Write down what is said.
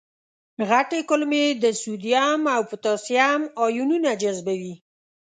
غټې کولمې د سودیم او پتاشیم آیونونه جذبوي.